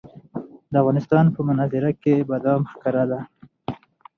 د افغانستان په منظره کې بادام ښکاره ده.